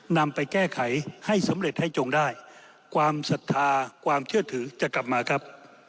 นำไปแก้ไขให้สำเร็จให้จงได้ความศรัทธาความเชื่อถือจะกลับมาครับ